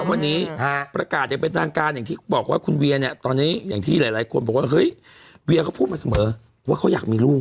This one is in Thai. วันนี้ประกาศอย่างเป็นทางการอย่างที่บอกว่าคุณเวียเนี่ยตอนนี้อย่างที่หลายคนบอกว่าเฮ้ยเวียก็พูดมาเสมอว่าเขาอยากมีลูก